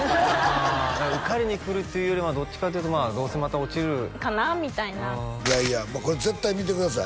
ああ受かりに来るっていうよりはどっちかっていうとまあどうせまた落ちるかなみたいないやいやこれ絶対見てください